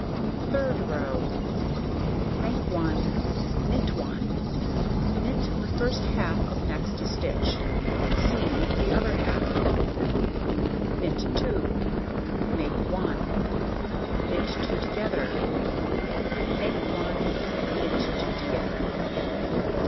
Third row: Make 1, knit 1, knit the first half of next stitch, seam the other half, knit 2, make 1, knit 2 together, make 1, knit 2 together.